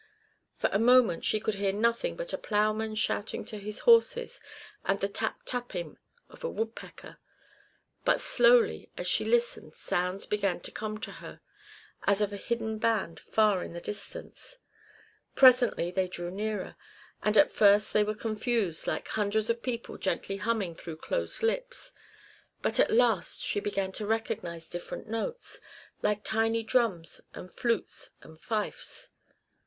For a moment she could hear nothing but a ploughman shouting to his horses and the tap tapping of a woodpecker; but slowly as she listened sounds began to come to her, as of a hidden band far in the distance. Presently they drew nearer, and at first they were confused, like hundreds of people gently humming through closed lips; but at last she began to recognize different notes, like tiny drums and flutes and fifes.